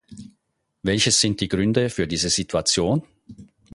Welches sind die Gründe für diese Situation?